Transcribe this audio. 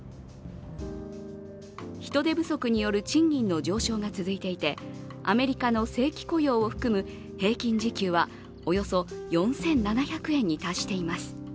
人手不足による賃金の上昇が続いていてアメリカの正規雇用を含む平均時給はおよそ４７００円に達しています。